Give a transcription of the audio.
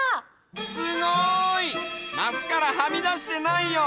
すごい！マスからはみだしてないよ！